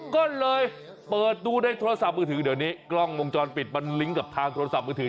ก็เลยเปิดดูในโทรศัพท์มือถือเดี๋ยวนี้กล้องวงจรปิดมันลิงก์กับทางโทรศัพท์มือถือ